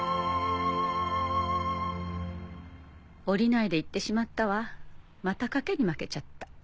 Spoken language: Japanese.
降りないで行ってしまったわまた賭けに負けちゃった。